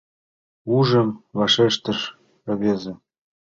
— Ужым, — вашештыш рвезе.